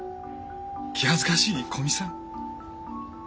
気恥ずかしい古見さん。